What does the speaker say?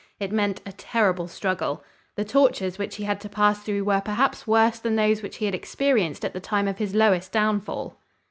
It meant a terrible struggle. The tortures which he had to pass through were perhaps worse than those which he had experienced at the time of his lowest downfall.